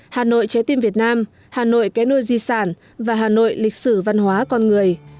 hà nội trái tim việt nam hà nội cái nôi di sản và hà nội lịch sử văn hóa con người